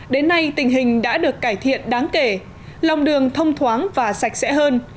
đến nay tình hình đã được cải thiện đáng kể lòng đường thông thoáng và sạch sẽ hơn